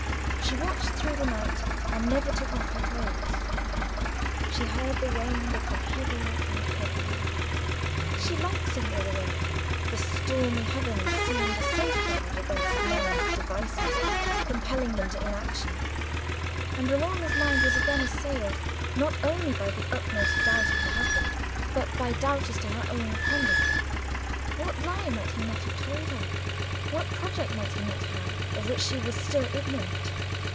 She watched through the night, and never took off her clothes. She heard the rain become heavier and heavier. She liked to hear the rain: the stormy heavens seemed a safeguard against men's devices, compelling them to inaction. And Romola's mind was again assailed, not only by the utmost doubt of her husband, but by doubt as to her own conduct. What lie might he not have told her? What project might he not have, of which she was still ignorant?